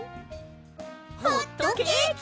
ホットケーキ！